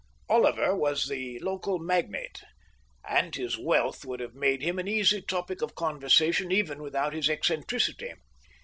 Oliver was the local magnate, and his wealth would have made him an easy topic of conversation even without his eccentricity.